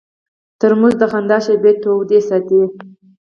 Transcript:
ترموز د خندا شېبې تود ساتي.